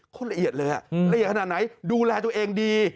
คนละเอียดเลยละเอียดขนาดไหนดูแลตัวเองดี